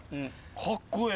かっこええ。